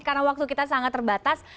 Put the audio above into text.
karena waktu kita sangat terbatas